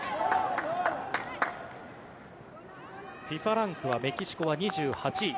ＦＩＦＡランクはメキシコは２８位。